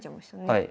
はい。